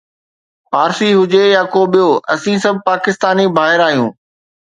پارسي هجي يا ڪو ٻيو، اسين سڀ پاڪستاني ڀائر آهيون